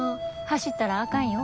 走ったらあかんよ。